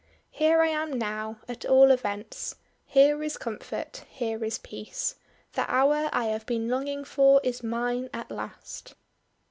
Here I am now, at all events; here is comfort, here is peace. The hour I have been longing for is mine at last."